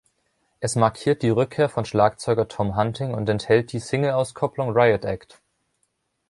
Es markiert die Rückkehr von Schlagzeuger Tom Hunting und enthält die Singleauskopplung „Riot Act“.